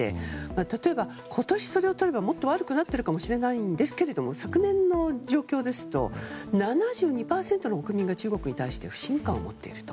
例えば、今年それをとればもっと悪くなっているかもしれないんですが昨年の状況ですと７２％の国が中国に対して不信感を持っていると。